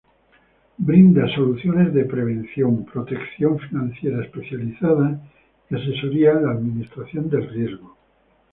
Brinda soluciones de prevención, protección financiera especializada y asesoría en la administración del riesgo.